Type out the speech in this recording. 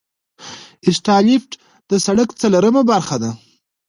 اسفالټ د سرک څلورمه طبقه ده